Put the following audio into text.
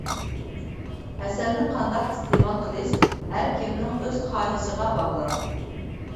ھەسەلنى قانداق ئىستېمال قىلىش ھەر كىمنىڭ ئۆز خاھىشىغا باغلىق.